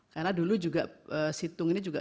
karena dulu juga situng ini juga